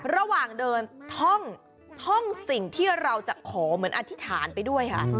ระหว่างเดินท่องสิ่งที่เราจะขอเหมือนอธิษฐานไปด้วยค่ะ